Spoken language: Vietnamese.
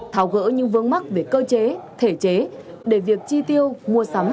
tháo gỡ những vương mắc về cơ chế thể chế để việc chi tiêu mua sắm